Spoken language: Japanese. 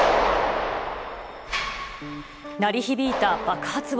鳴り響いた爆発音。